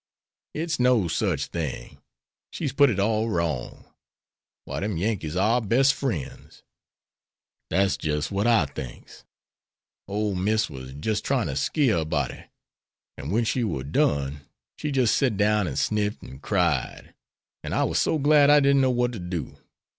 "It's no such thing. She's put it all wrong. Why them Yankees are our best friends." "Dat's jis' what I thinks. Ole Miss was jis' tryin to skeer a body. An' when she war done she jis' set down and sniffled an' cried, an' I war so glad I didn't know what to do.